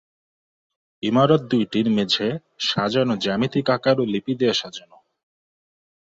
ইমারত দুইটির মেঝে সাজানো জ্যামিতিক আকার ও লিপি দিয়ে সাজানো।